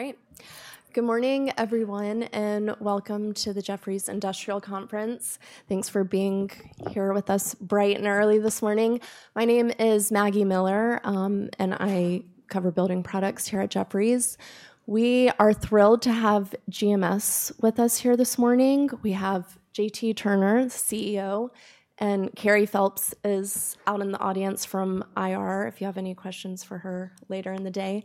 All right. Good morning, everyone, and welcome to the Jefferies Industrial Conference. Thanks for being here with us bright and early this morning. My name is Maggie Miller, and I cover building products here at Jefferies. We are thrilled to have GMS with us here this morning. We have JT Turner, the CEO, and Carey Phelps is out in the audience from IR, if you have any questions for her later in the day.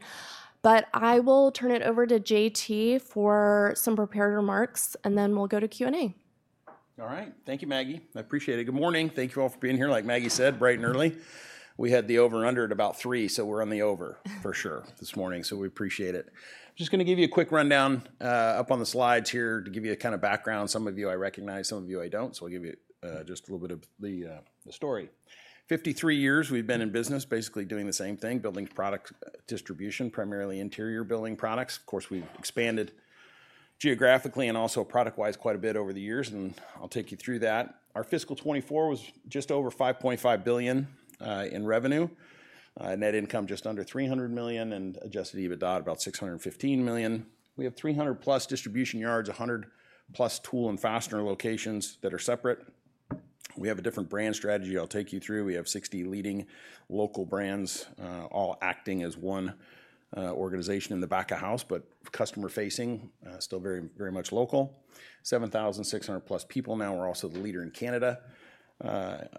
But I will turn it over to JT for some prepared remarks, and then we'll go to Q&A. All right. Thank you, Maggie. I appreciate it. Good morning. Thank you all for being here, like Maggie said, bright and early. We had the over and under at about three, so we're on the over for sure this morning, so we appreciate it. Just gonna give you a quick rundown up on the slides here to give you a kind of background. Some of you I recognize, some of you I don't, so I'll give you just a little bit of the story. 53 years we've been in business, basically doing the same thing, building product distribution, primarily interior building products. Of course, we've expanded geographically and also product-wise, quite a bit over the years, and I'll take you through that. Our fiscal 2024 was just over $5.5 billion in revenue, net income just under $300 million, and adjusted EBITDA about $615 million. We have 300+ distribution yards, 100+ tool and fastener locations that are separate. We have a different brand strategy I'll take you through. We have 60 leading local brands, all acting as one organization in the back of house, but customer-facing, still very, very much local. 7,600+ people. Now, we're also the leader in Canada,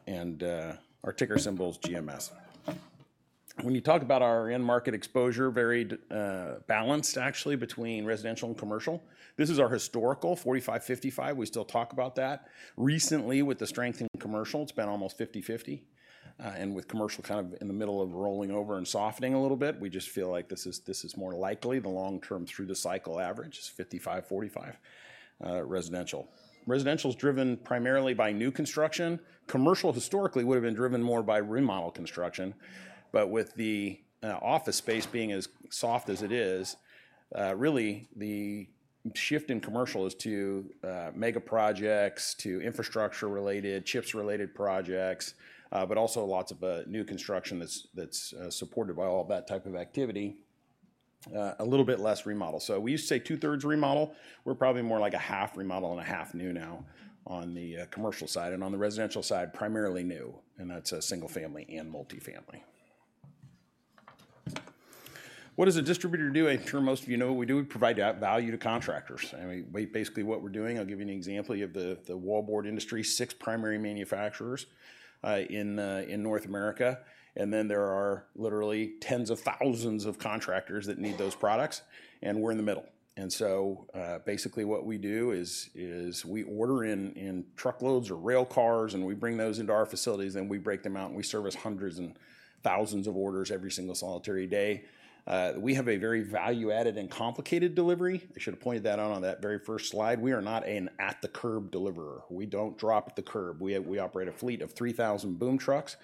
and our ticker symbol is GMS. When you talk about our end market exposure, very balanced, actually, between residential and commercial. This is our historical, 45, 55. We still talk about that. Recently, with the strength in commercial, it's been almost 50/50, and with commercial kind of in the middle of rolling over and softening a little bit, we just feel like this is, this is more likely. The long-term through the cycle average is 55, 45, residential. Residential's driven primarily by new construction. Commercial, historically, would've been driven more by remodel construction, but with the office space being as soft as it is, really, the shift in commercial is to mega projects, to infrastructure-related, CHIPS-related projects, but also lots of new construction that's, that's supported by all of that type of activity, a little bit less remodel. So we used to say two-thirds remodel. We're probably more like a half remodel and a half new now on the commercial side, and on the residential side, primarily new, and that's single family and multifamily. What does a distributor do? I'm sure most of you know what we do. We provide value to contractors, and we basically, what we're doing, I'll give you an example. You have the wallboard industry, six primary manufacturers in North America, and then there are literally tens of thousands of contractors that need those products, and we're in the middle. And so basically, what we do is we order in truckloads or rail cars, and we bring those into our facilities, and we break them out, and we service hundreds and thousands of orders every single, solitary day. We have a very value-added and complicated delivery. I should have pointed that out on that very first slide. We are not an at-the-curb deliverer. We don't drop at the curb. We operate a fleet of three thousand boom trucks.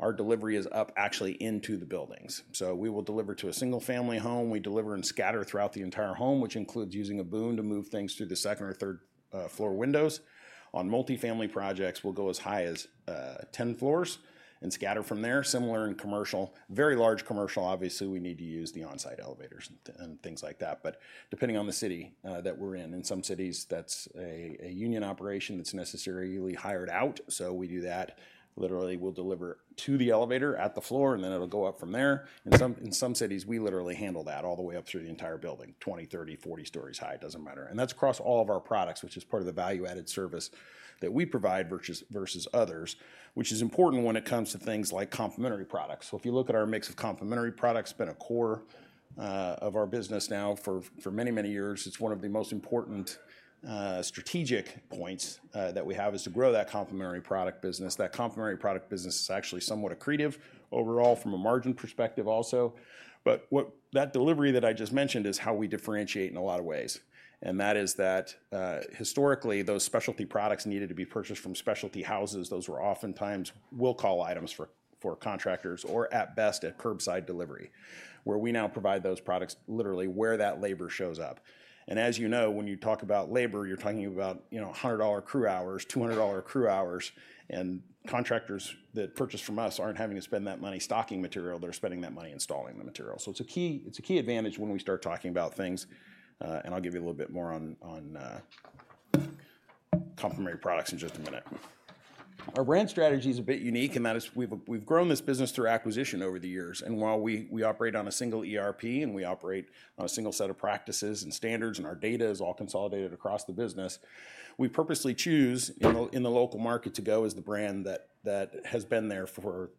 Our delivery is up, actually, into the buildings. So we will deliver to a single family home. We deliver and scatter throughout the entire home, which includes using a boom to move things through the second or third floor windows. On multifamily projects, we'll go as high as 10 floors and scatter from there. Similar in commercial. Very large commercial, obviously, we need to use the on-site elevators and things like that. But depending on the city that we're in, in some cities, that's a union operation that's necessarily hired out, so we do that. Literally, we'll deliver to the elevator at the floor, and then it'll go up from there. In some, in some cities, we literally handle that all the way up through the entire building, 20, 30, 40 stories high, it doesn't matter, and that's across all of our products, which is part of the value-added service that we provide versus, versus others, which is important when it comes to things like complementary products, so if you look at our mix of complementary products, been a core of our business now for, for many, many years. It's one of the most important strategic points that we have, is to grow that complementary product business. That complementary product business is actually somewhat accretive overall from a margin perspective also. But that delivery that I just mentioned is how we differentiate in a lot of ways, and that is that historically, those specialty products needed to be purchased from specialty houses. Those were oftentimes will-call items for contractors, or at best, a curbside delivery, where we now provide those products literally where that labor shows up. And as you know, when you talk about labor, you're talking about, you know, $100 crew hours, $200 crew hours, and contractors that purchase from us aren't having to spend that money stocking material. They're spending that money installing the material. So it's a key, it's a key advantage when we start talking about things, and I'll give you a little bit more on complementary products in just a minute. Our brand strategy is a bit unique, and that is we've grown this business through acquisition over the years, and while we operate on a single ERP and we operate on a single set of practices and standards, and our data is all consolidated across the business, we purposely choose in the local market to go as the brand that has been there for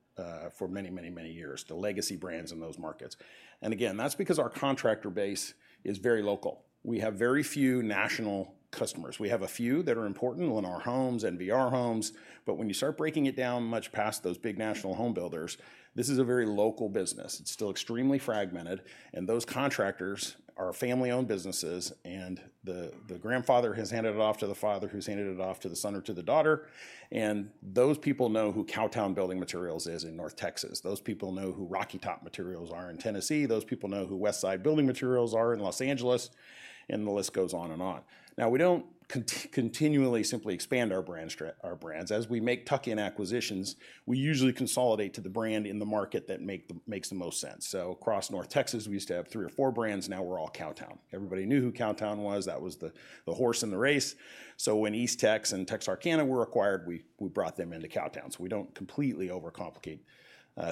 many, many, many years, the legacy brands in those markets. And again, that's because our contractor base is very local. We have very few national customers. We have a few that are important, Lennar Homes, NVR Homes, but when you start breaking it down much past those big national home builders, this is a very local business. It's still extremely fragmented, and those contractors are family-owned businesses, and the grandfather has handed it off to the father, who's handed it off to the son or to the daughter, and those people know who Cowtown Building Materials is in North Texas. Those people know who Rocky Top Materials are in Tennessee. Those people know who Westside Building Materials are in Los Angeles, and the list goes on and on. Now, we don't continually simply expand our brands. As we make tuck-in acquisitions, we usually consolidate to the brand in the market that makes the most sense. So across North Texas, we used to have three or four brands, now we're all Cowtown. Everybody knew who Cowtown was. That was the horse in the race. So when East Texas and Texarkana were acquired, we brought them into Cowtown, so we don't completely overcomplicate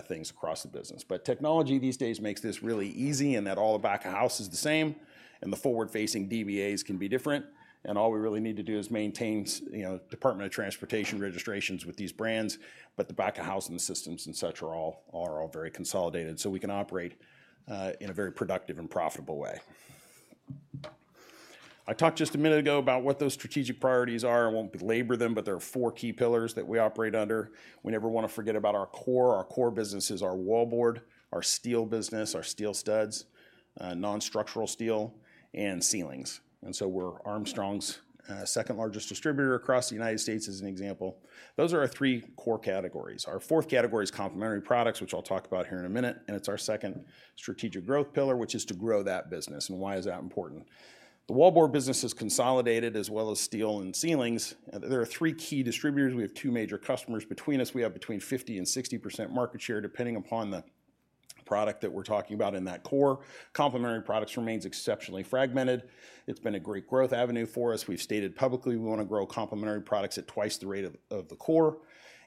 things across the business. But technology these days makes this really easy in that all the back of house is the same, and the forward-facing DBAs can be different, and all we really need to do is maintain you know, Department of Transportation registrations with these brands, but the back of house and the systems and such are all very consolidated, so we can operate in a very productive and profitable way. I talked just a minute ago about what those strategic priorities are. I won't belabor them, but there are four key pillars that we operate under. We never wanna forget about our core. Our core business is our wallboard, our steel business, our steel studs, non-structural steel, and ceilings. We're Armstrong's second largest distributor across the United States, as an example. Those are our three core categories. Our fourth category is complementary products, which I'll talk about here in a minute, and it's our second strategic growth pillar, which is to grow that business. Why is that important? The wallboard business is consolidated, as well as steel and ceilings. There are three key distributors. We have two major customers. Between us, we have between 50% and 60% market share, depending upon the product that we're talking about in that core. Complementary products remains exceptionally fragmented. It's been a great growth avenue for us. We've stated publicly we wanna grow complementary products at twice the rate of the core,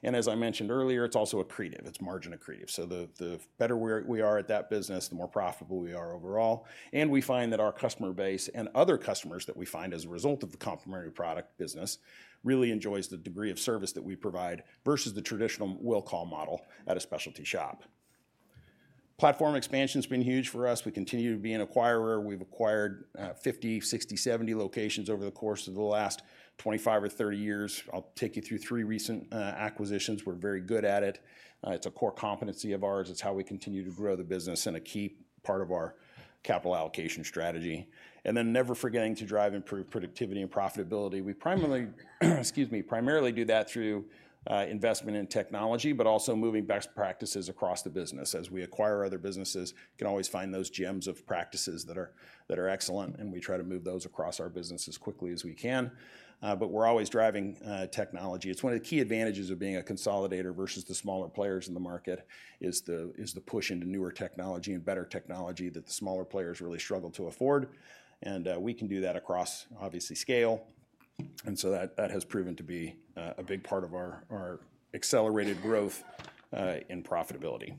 and as I mentioned earlier, it's also accretive, it's margin accretive. So the better we are at that business, the more profitable we are overall. And we find that our customer base and other customers that we find as a result of the complementary product business really enjoys the degree of service that we provide versus the traditional will-call model at a specialty shop. Platform expansion's been huge for us. We continue to be an acquirer. We've acquired 50, 60, 70 locations over the course of the last 25 or 30 years. I'll take you through three recent acquisitions. We're very good at it. It's a core competency of ours. It's how we continue to grow the business and a key part of our capital allocation strategy. And then never forgetting to drive improved productivity and profitability. We primarily, excuse me, do that through investment in technology, but also moving best practices across the business. As we acquire other businesses, we can always find those gems of practices that are excellent, and we try to move those across our business as quickly as we can. But we're always driving technology. It's one of the key advantages of being a consolidator versus the smaller players in the market, is the push into newer technology and better technology that the smaller players really struggle to afford. And we can do that across, obviously, scale. And so that has proven to be a big part of our accelerated growth in profitability.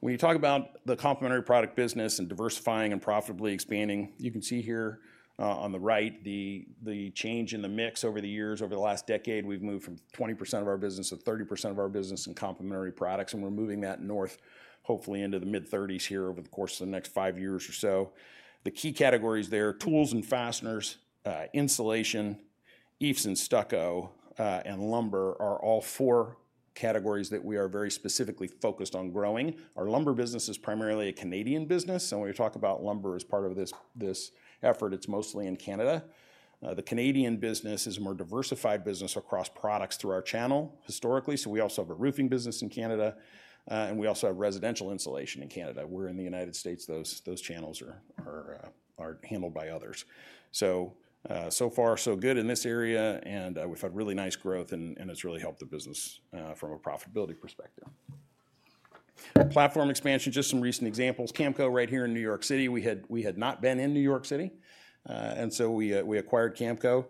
When you talk about the Complementary Product business and diversifying and profitably expanding, you can see here on the right the change in the mix over the years. Over the last decade, we've moved from 20% of our business to 30% of our business in complementary products, and we're moving that north, hopefully into the mid 30s here over the course of the next five years or so. The key categories there, tools and fasteners, insulation, EIFS and stucco, and lumber are all four categories that we are very specifically focused on growing. Our lumber business is primarily a Canadian business, and when we talk about lumber as part of this effort, it's mostly in Canada. The Canadian business is a more diversified business across products through our channel historically. So we also have a roofing business in Canada, and we also have residential insulation in Canada, where in the United States, those channels are handled by others. So far, so good in this area, and we've had really nice growth and it's really helped the business from a profitability perspective. Platform expansion, just some recent examples. Kamco, right here in New York City. We had not been in New York City, and so we acquired Kamco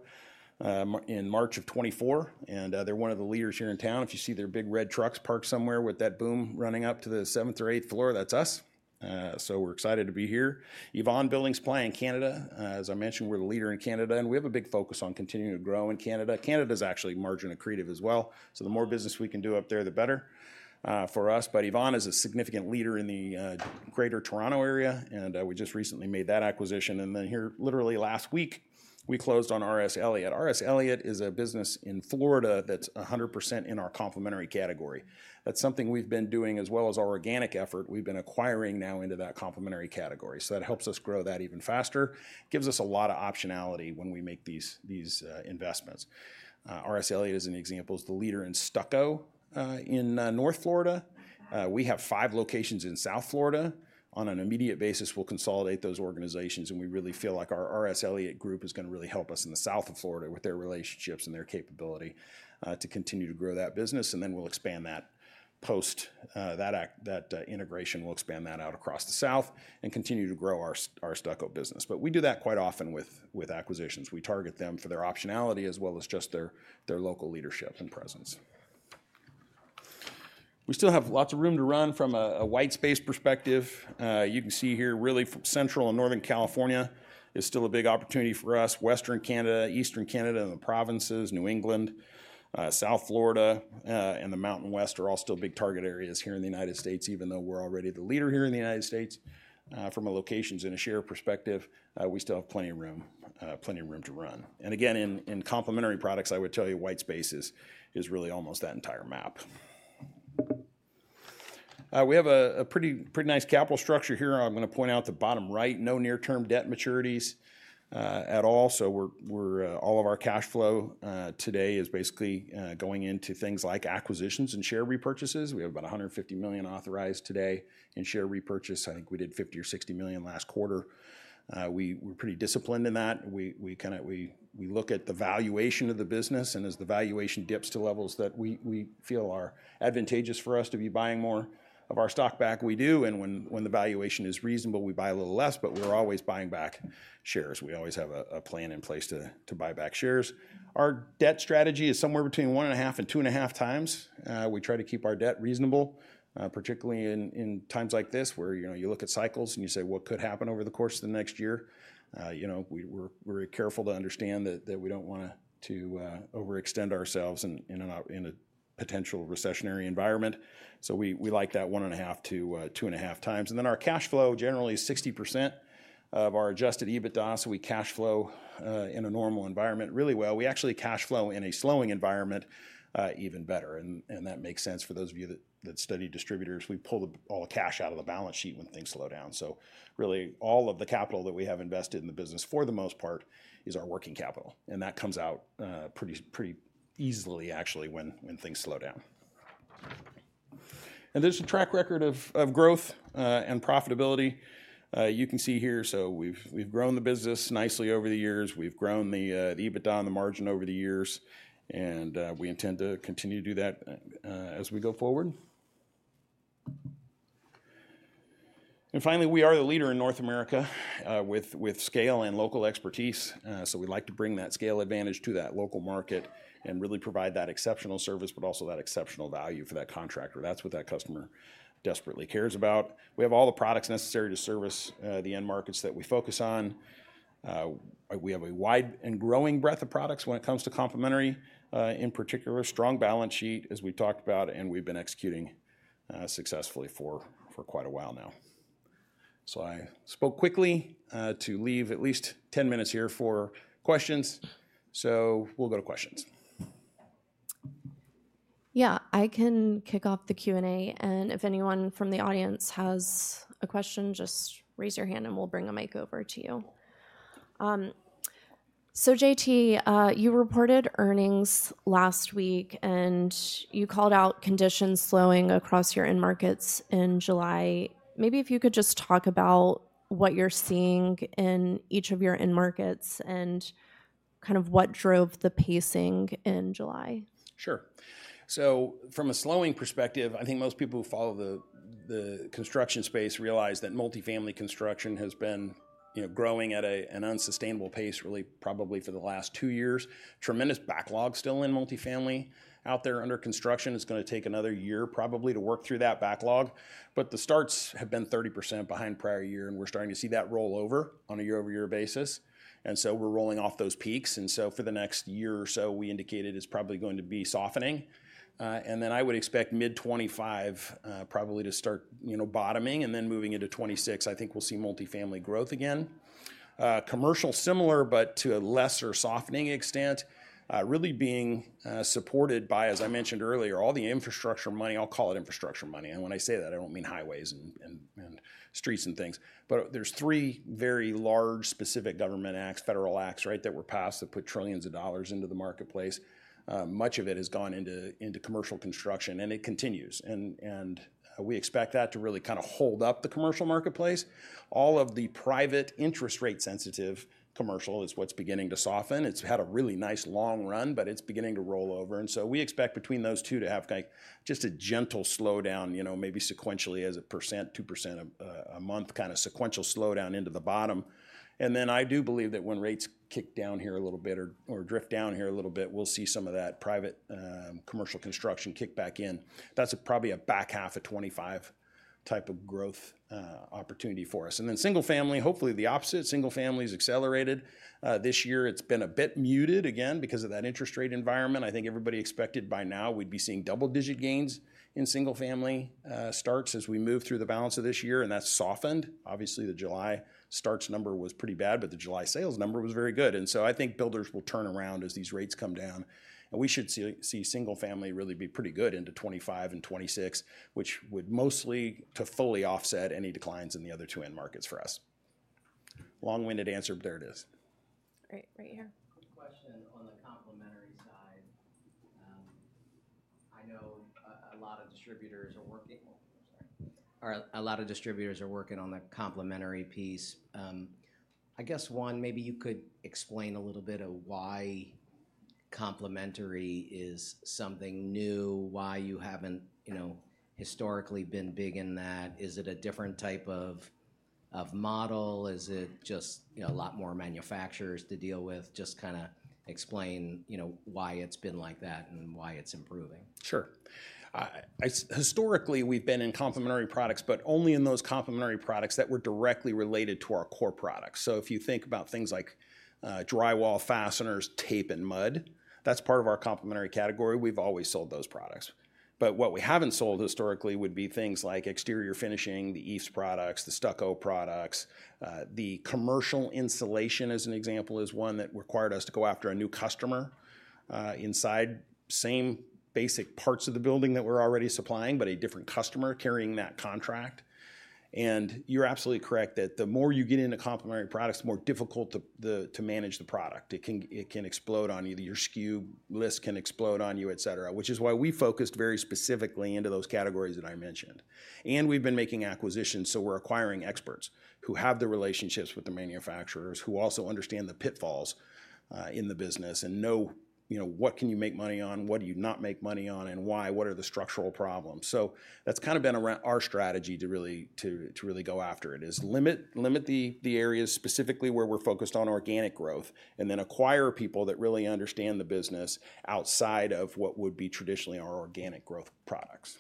in March of 2024, and they're one of the leaders here in town. If you see their big red trucks parked somewhere with that boom running up to the seventh or eighth floor, that's us. So we're excited to be here. Yvon Building Supply in Canada. As I mentioned, we're the leader in Canada, and we have a big focus on continuing to grow in Canada. Canada's actually margin accretive as well, so the more business we can do up there, the better for us. But Yvon is a significant leader in the Greater Toronto Area, and we just recently made that acquisition. And then here, literally last week, we closed on R.S. Elliott. R.S. Elliott is a business in Florida that's 100% in our complementary category. That's something we've been doing as well as our organic effort. We've been acquiring now into that complementary category. So that helps us grow that even faster. Gives us a lot of optionality when we make these investments. R.S. Elliott, as an example, is the leader in stucco in North Florida. We have five locations in South Florida. On an immediate basis, we'll consolidate those organizations, and we really feel like our R.S. Elliott group is gonna really help us in the South Florida with their relationships and their capability to continue to grow that business, and then we'll expand that post. That integration will expand that out across the South and continue to grow our stucco business. But we do that quite often with acquisitions. We target them for their optionality as well as just their local leadership and presence. We still have lots of room to run from a white space perspective. You can see here, really, Central and Northern California is still a big opportunity for us. Western Canada, Eastern Canada, and the provinces, New England, South Florida, and the Mountain West are all still big target areas here in the United States, even though we're already the leader here in the United States. From a locations and a share perspective, we still have plenty of room to run. And again, in complementary products, I would tell you white space is really almost that entire map. We have a pretty nice capital structure here. I'm gonna point out the bottom right, no near-term debt maturities at all. So we're all of our cash flow today is basically going into things like acquisitions and share repurchases. We have about $150 million authorized today in share repurchase. I think we did $50 million or $60 million last quarter. We're pretty disciplined in that. We kinda look at the valuation of the business, and as the valuation dips to levels that we feel are advantageous for us to be buying more of our stock back, we do. And when the valuation is reasonable, we buy a little less, but we're always buying back shares. We always have a plan in place to buy back shares. Our debt strategy is somewhere between one and a half and two and a half times. We try to keep our debt reasonable, particularly in times like this, where you know, you look at cycles and you say, "What could happen over the course of the next year?" You know, we're careful to understand that we don't want to overextend ourselves in a potential recessionary environment. So we like that one and a half to two and a half times. And then our cash flow, generally 60% of our adjusted EBITDA, so we cash flow in a normal environment really well. We actually cash flow in a slowing environment even better, and that makes sense for those of you that study distributors. We pull all the cash out of the balance sheet when things slow down. So really, all of the capital that we have invested in the business, for the most part, is our working capital, and that comes out pretty easily, actually, when things slow down. And there's a track record of growth and profitability. You can see here, so we've grown the business nicely over the years. We've grown the EBITDA and the margin over the years, and we intend to continue to do that as we go forward. And finally, we are the leader in North America with scale and local expertise. So we'd like to bring that scale advantage to that local market and really provide that exceptional service, but also that exceptional value for that contractor. That's what that customer desperately cares about. We have all the products necessary to service the end markets that we focus on. We have a wide and growing breadth of products when it comes to complementary, in particular, a strong balance sheet, as we talked about, and we've been executing successfully for quite a while now, so I spoke quickly to leave at least 10 minutes here for questions, so we'll go to questions. Yeah, I can kick off the Q&A, and if anyone from the audience has a question, just raise your hand, and we'll bring a mic over to you. So JT, you reported earnings last week, and you called out conditions slowing across your end markets in July. Maybe if you could just talk about what you're seeing in each of your end markets and kind of what drove the pacing in July. Sure. So from a slowing perspective, I think most people who follow the construction space realize that multifamily construction has been, you know, growing at an unsustainable pace, really probably for the last two years. Tremendous backlog still in multifamily, out there under construction. It's gonna take another year probably to work through that backlog, but the starts have been 30% behind prior year, and we're starting to see that roll over on a year-over-year basis, and so we're rolling off those peaks, and so for the next year or so, we indicated it's probably going to be softening, and then I would expect mid-2025, probably to start, you know, bottoming, and then moving into 2026, I think we'll see multifamily growth again. Commercial, similar, but to a lesser softening extent, really being supported by, as I mentioned earlier, all the infrastructure money. I'll call it infrastructure money, and when I say that, I don't mean highways and streets and things. But there's three very large specific government acts, federal acts, right, that were passed that put trillions of dollars into the marketplace. Much of it has gone into commercial construction, and it continues, and we expect that to really kind of hold up the commercial marketplace. All of the private interest rate sensitive commercial is what's beginning to soften. It's had a really nice long run, but it's beginning to roll over, and so we expect between those two to have, like, just a gentle slowdown, you know, maybe sequentially as a percent, 2%, a month, kind of sequential slowdown into the bottom. And then I do believe that when rates kick down here a little bit or, or drift down here a little bit, we'll see some of that private, commercial construction kick back in. That's probably a back half of 2025 type of growth, opportunity for us. And then single family, hopefully the opposite. Single family is accelerated. This year, it's been a bit muted, again, because of that interest rate environment. I think everybody expected by now we'd be seeing double-digit gains in single family, starts as we move through the balance of this year, and that's softened. Obviously, the July starts number was pretty bad, but the July sales number was very good, and so I think builders will turn around as these rates come down, and we should see single family really be pretty good into 2025 and 2026, which would mostly to fully offset any declines in the other two end markets for us. Long-winded answer, but there it is. Great. Right here. Quick question on the complementary side. I know a lot of distributors are working on the complementary piece. I guess, maybe you could explain a little bit of why complementary is something new, why you haven't, you know, historically been big in that. Is it a different type of model? Is it just, you know, a lot more manufacturers to deal with? Just kinda explain, you know, why it's been like that and why it's improving. Sure. Historically, we've been in complementary products, but only in those complementary products that were directly related to our core products. So if you think about things like, drywall, fasteners, tape, and mud, that's part of our complementary category. We've always sold those products. But what we haven't sold historically would be things like exterior finishing, the EIFS products, the stucco products. The commercial insulation, as an example, is one that required us to go after a new customer, inside same basic parts of the building that we're already supplying, but a different customer carrying that contract. And you're absolutely correct, that the more you get into complementary products, the more difficult to manage the product. It can explode on you. Your SKU list can explode on you, et cetera, which is why we focused very specifically into those categories that I mentioned, and we've been making acquisitions, so we're acquiring experts who have the relationships with the manufacturers, who also understand the pitfalls in the business and know, you know, what can you make money on, what do you not make money on, and why, what are the structural problems, so that's kind of been our strategy to really go after it, is limit the areas specifically where we're focused on organic growth, and then acquire people that really understand the business outside of what would be traditionally our organic growth products,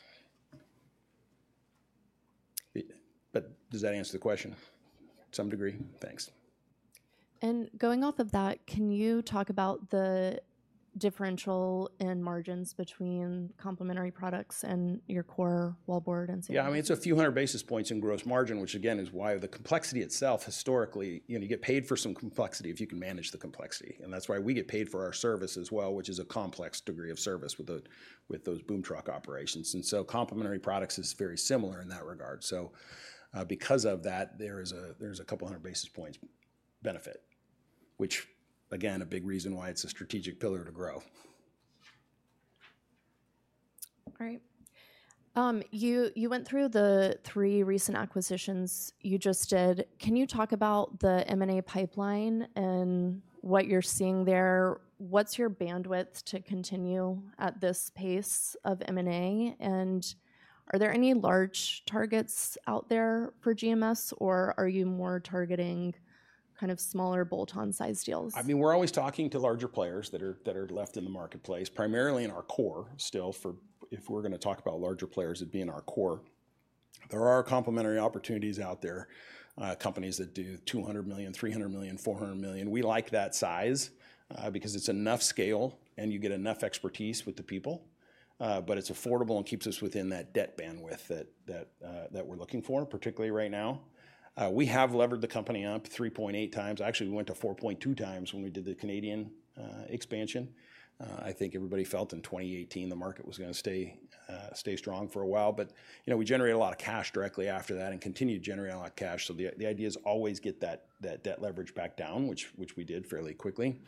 but does that answer the question? Yeah... to some degree? Thanks. Going off of that, can you talk about the differential in margins between complementary products and your core wallboard and ceiling? Yeah, I mean, it's a few hundred basis points in gross margin, which again, is why the complexity itself historically, you know, you get paid for some complexity if you can manage the complexity, and that's why we get paid for our service as well, which is a complex degree of service with those boom truck operations. And so Complementary Products is very similar in that regard. So, because of that, there's a couple hundred basis points benefit, which, again, a big reason why it's a strategic pillar to grow. Great. You went through the three recent acquisitions you just did. Can you talk about the M&A pipeline and what you're seeing there? What's your bandwidth to continue at this pace of M&A, and are there any large targets out there for GMS, or are you more targeting kind of smaller bolt-on size deals? I mean, we're always talking to larger players that are left in the marketplace, primarily in our core. Still, for if we're gonna talk about larger players, it'd be in our core. There are complementary opportunities out there, companies that do $200 million, $300 million, $400 million. We like that size, because it's enough scale and you get enough expertise with the people, but it's affordable and keeps us within that debt bandwidth that we're looking for, particularly right now. We have levered the company up 3.8x. Actually, we went to 4.2x when we did the Canadian expansion. I think everybody felt in 2018 the market was gonna stay, stay strong for a while, but, you know, we generated a lot of cash directly after that and continued to generate a lot of cash. So the idea is always get that debt leverage back down, which we did fairly quickly.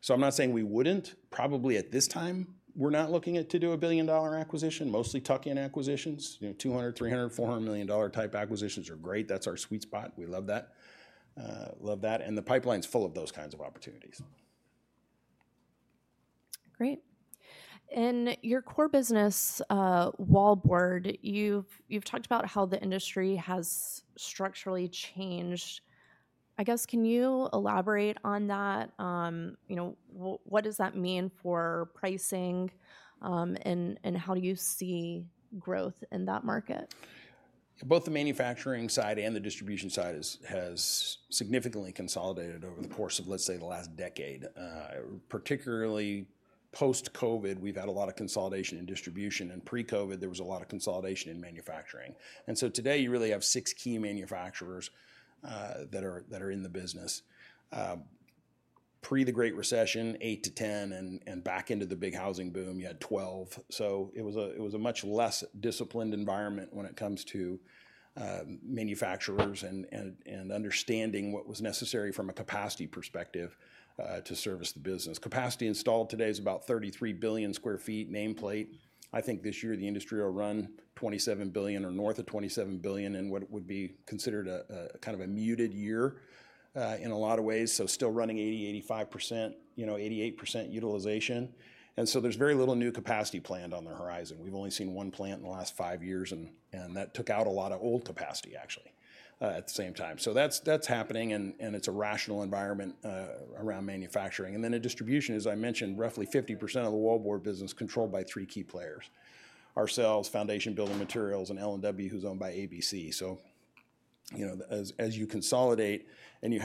So I'm not saying we wouldn't. Probably at this time, we're not looking at to do a $1 billion acquisition, mostly tuck-in acquisitions. You know, $200 million, $300 million, $400 million dollar type acquisitions are great. That's our sweet spot. We love that. Love that, and the pipeline's full of those kinds of opportunities. Great. In your core business, wallboard, you've talked about how the industry has structurally changed. I guess, can you elaborate on that? You know, what does that mean for pricing, and how do you see growth in that market? Both the manufacturing side and the distribution side is, has significantly consolidated over the course of, let's say, the last decade. Particularly post-COVID, we've had a lot of consolidation in distribution, and pre-COVID, there was a lot of consolidation in manufacturing, and so today, you really have six key manufacturers that are in the business. Pre the Great Recession, eight to 10, and back into the big housing boom, you had 12, so it was a much less disciplined environment when it comes to manufacturers and understanding what was necessary from a capacity perspective to service the business. Capacity installed today is about 33 billion sq ft nameplate. I think this year, the industry will run $27 billion or north of $27 billion in what would be considered a kind of a muted year in a lot of ways, so still running 80%, 85%, you know, 88% utilization, and so there's very little new capacity planned on the horizon. We've only seen one plant in the last five years, and that took out a lot of old capacity actually at the same time. So that's happening and it's a rational environment around manufacturing. Then in distribution, as I mentioned, roughly 50% of the wallboard business controlled by three key players: ourselves, Foundation Building Materials, and L&W, who's owned by ABC. You know, as you consolidate and you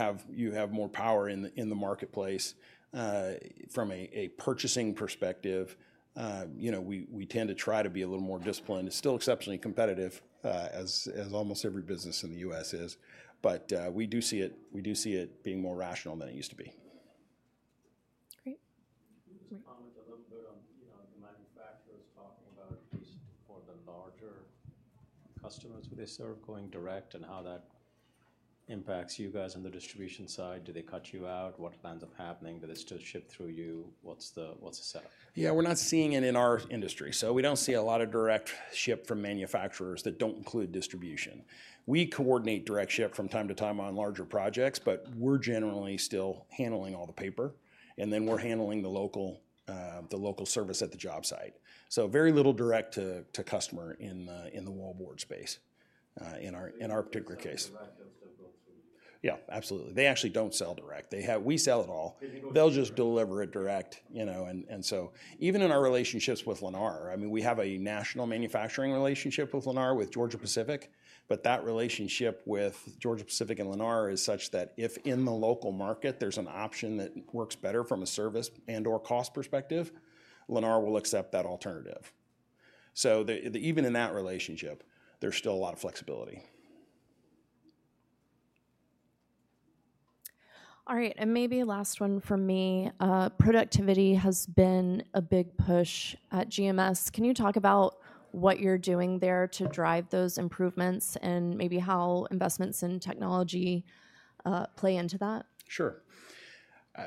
have more power in the marketplace, from a purchasing perspective, you know, we tend to try to be a little more disciplined. It's still exceptionally competitive, as almost every business in the U.S. is, but we do see it being more rational than it used to be. Great. Can you just comment a little bit on, you know, the manufacturers talking about at least for the larger customers who they serve, going direct and how that impacts you guys on the distribution side? Do they cut you out? What ends up happening? Do they still ship through you? What's the setup? Yeah, we're not seeing it in our industry, so we don't see a lot of direct ship from manufacturers that don't include distribution. We coordinate direct ship from time to time on larger projects, but we're generally still handling all the paper, and then we're handling the local service at the job site. Very little direct to customer in the wallboard space, in our particular case. Yeah, absolutely. They actually don't sell direct. We sell it all. 'Cause, you know- They'll just deliver it direct, you know, and so even in our relationships with Lennar, I mean, we have a national manufacturing relationship with Lennar, with Georgia-Pacific, but that relationship with Georgia-Pacific and Lennar is such that if in the local market there's an option that works better from a service and/or cost perspective, Lennar will accept that alternative. So the even in that relationship, there's still a lot of flexibility. All right, and maybe last one from me. Productivity has been a big push at GMS. Can you talk about what you're doing there to drive those improvements and maybe how investments in technology play into that? Sure.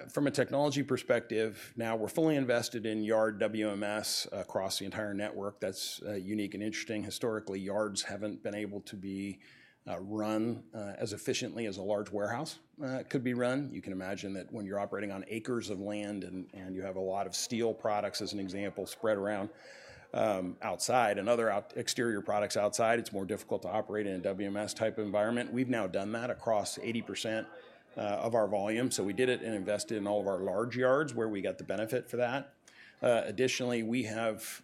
From a technology perspective, now we're fully invested in Yard WMS across the entire network. That's unique and interesting. Historically, yards haven't been able to be run as efficiently as a large warehouse could be run. You can imagine that when you're operating on acres of land and you have a lot of steel products, as an example, spread around outside and other exterior products outside, it's more difficult to operate in a WMS type environment. We've now done that across 80% of our volume, so we did it and invested in all of our large yards, where we got the benefit for that. Additionally, we have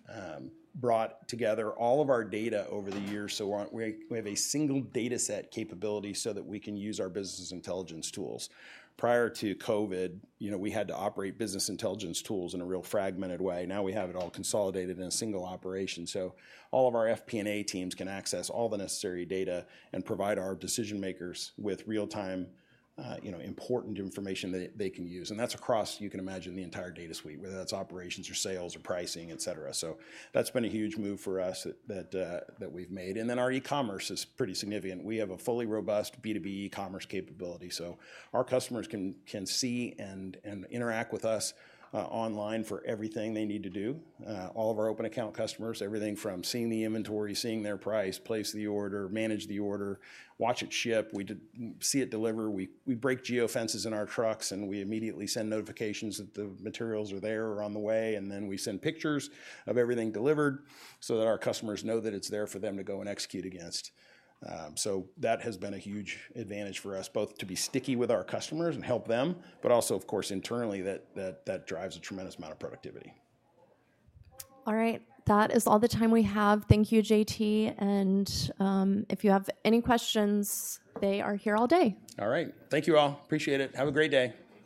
brought together all of our data over the years, so we have a single dataset capability so that we can use our business intelligence tools. Prior to COVID, you know, we had to operate business intelligence tools in a real fragmented way. Now, we have it all consolidated in a single operation. So all of our FP&A teams can access all the necessary data and provide our decision-makers with real-time, important information that they can use, and that's across, you can imagine, the entire data suite, whether that's operations or sales or pricing, et cetera. So that's been a huge move for us that we've made. And then our e-commerce is pretty significant. We have a fully robust B2B e-commerce capability, so our customers can see and interact with us online for everything they need to do. All of our open account customers everything from seeing the inventory, seeing their price, place the order, manage the order, watch it ship. We see it deliver, we break geofences in our trucks, and we immediately send notifications that the materials are there or on the way, and then we send pictures of everything delivered so that our customers know that it's there for them to go and execute against. So that has been a huge advantage for us, both to be sticky with our customers and help them, but also, of course, internally, that drives a tremendous amount of productivity. All right. That is all the time we have. Thank you, JT, and if you have any questions, they are here all day. All right. Thank you all. Appreciate it. Have a great day.